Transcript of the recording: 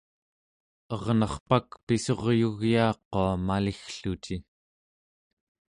ernerpak pissuryugyaaqua maliggluci